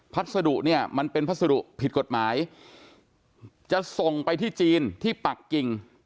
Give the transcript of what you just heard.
พัสดุเนี่ยมันเป็นพัสดุผิดกฎหมายจะส่งไปที่จีนที่ปักกิ่ง